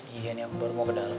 iya ini aku baru mau ke dalam